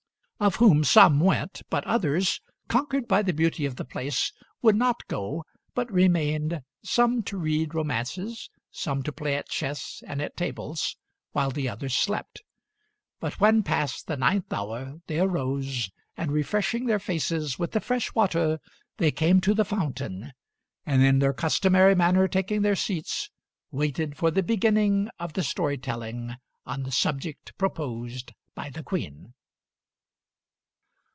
Of whom some went, but others, conquered by the beauty of the place, would not go, but remained, some to read romances, some to play at chess and at tables, while the others slept. But when passed the ninth hour, they arose, and refreshing their faces with the fresh water, they came to the fountain, and in their customary manner taking their seats, waited for the beginning of the story telling on the subject proposed by the Queen."